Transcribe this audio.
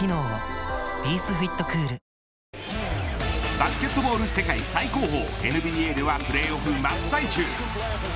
バスケットボール世界最高峰ＮＢＡではプレーオフまっ最中。